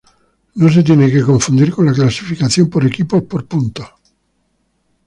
No se tiene que confundir con la clasificación por equipos por puntos.